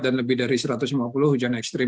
jadi kita harus menjadikan kualitas hujan yang terkenal